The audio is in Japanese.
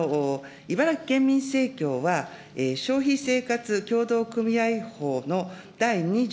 茨城県民せいきょうは、消費生活協同組合法の第２条